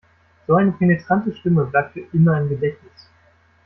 So eine penetrante Stimme bleibt für immer im Gedächtnis.